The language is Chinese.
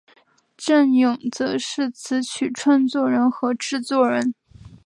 振永则是词曲创作人和制作人。